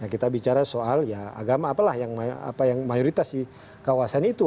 kita bicara soal ya agama apalah yang mayoritas di kawasan itu